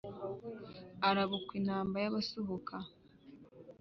Arabukwa inamba y'abasuhuka